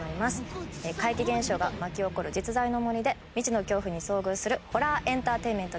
怪奇現象が巻き起こる実在の森で未知の恐怖に遭遇するホラーエンターテインメントです。